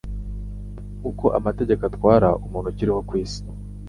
uko amategeko atwara umuntu akiriho kwi isi